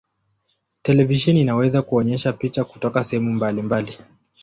Televisheni inaweza kuonyesha picha kutoka sehemu mbalimbali.